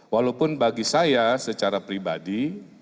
walaupun bagi saya secara pribadi